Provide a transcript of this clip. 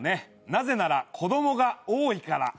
なぜなら子供が多いから。